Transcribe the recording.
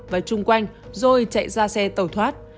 và chung quanh rồi chạy ra xe tàu thoát